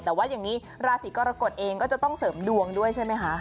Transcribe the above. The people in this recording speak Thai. แต่ว่าอย่างนี้ราศีกรกฎเองก็จะต้องเสริมดวงด้วยใช่ไหมคะ